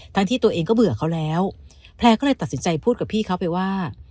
ที่ตัวเองก็เบื่อเขาแล้วแพลร์ก็เลยตัดสินใจพูดกับพี่เขาไปว่า